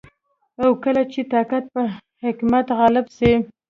او کله چي طاقت په حکمت غالب سي